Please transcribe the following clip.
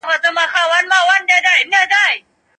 موږ به د تاریخ ساتنه وکړو.